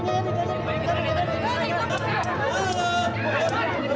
udah makan makan